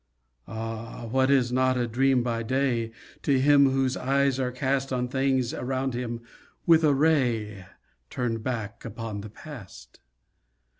Ah! what is not a dream by day To him whose eyes are cast On things around him with a ray Turned back upon the past?